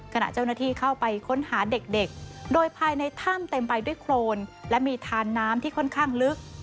ขณะเจ้าหน้าที่เข้าไปค้นหาเด็กโดยภายในถ้ำเต็มไปด้วยโครนและมีทานน้ำที่ค่อนข้างลึก